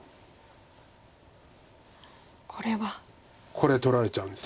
これ取られちゃうんです。